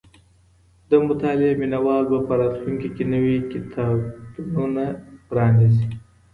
د مطالعې مينه وال به په راتلونکي کي نوي کتابتونونه پرانيزي.